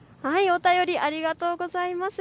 お便りありがとうございます。